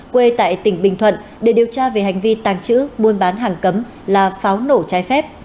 quê tại tỉnh bình thuận để điều tra về hành vi tàng trữ buôn bán hàng cấm là pháo nổ trái phép